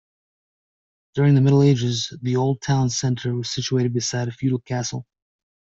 During the Middle Ages the old town centre was situated beside a feudal castle.